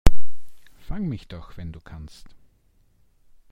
Fang mich doch, wenn du kannst!